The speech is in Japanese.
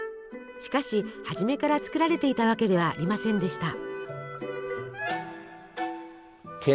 しかし初めから作られていたわけではありませんでした。